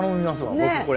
僕これ。